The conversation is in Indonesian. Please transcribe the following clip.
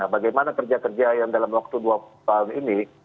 bagaimana kerja kerja yang dalam waktu dua tahun ini